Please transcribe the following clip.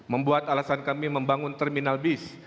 membuat alasan kami membangun terminal bis